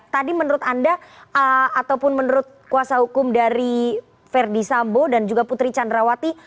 tadi menurut anda ataupun menurut kuasa hukum dari verdi sambo dan juga putri candrawati